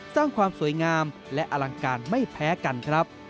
สร้างความสวยงามและอลังการไม่แพ้กันครับ